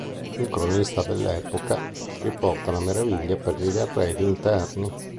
Un cronista dell'epoca riporta la meraviglia per gli arredi interni.